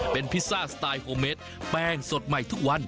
เป็นพิซซ่าสไตล์โฮเมดแป้งสดใหม่ทุกวัน